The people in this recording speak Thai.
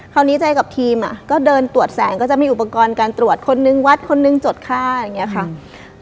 นี้ใจกับทีมก็เดินตรวจแสงก็จะมีอุปกรณ์การตรวจคนนึงวัดคนนึงจดค่าอย่างนี้ค่ะ